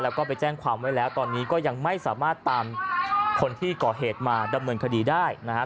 แล้วก็ไปแจ้งความไว้แล้วตอนนี้ก็ยังไม่สามารถตามคนที่ก่อเหตุมาดำเนินคดีได้นะครับ